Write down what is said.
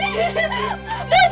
datuh banyak berlutut